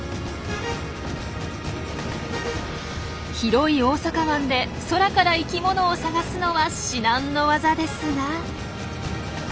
広い大阪湾で空から生きものを探すのは至難の業ですが。